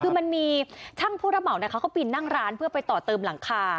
คือมันมีช่างผู้รับเหมาเขาก็ปีนนั่งร้านเพื่อไปต่อเติมหลังคา